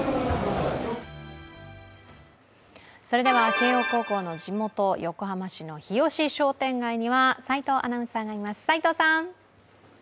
慶応高校の地元、横浜市の日吉商店街には齋藤アナウンサーがいます。